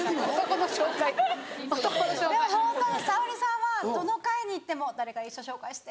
でもホント沙保里さんはどの会に行っても「誰かいい人紹介して」。